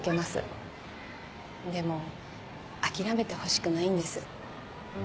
でも諦めてほしくないんです。